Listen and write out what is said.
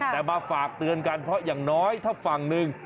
แต่มาฝากเตือนกันเพราะอย่างน้อยถ้าฝั่งหนึ่ง